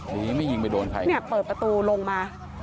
ทีนี้ไม่ยิงไปโดนใครเนี่ยเปิดประตูลงมา